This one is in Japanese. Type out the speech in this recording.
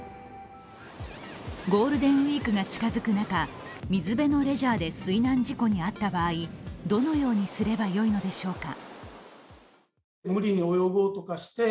ゴールデンウイークが近づく中水辺のレジャーで水難事故に遭った場合どのようにすればよいのでしょうか。